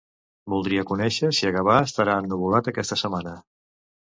Voldria conèixer si a Gavà estarà ennuvolat aquesta setmana.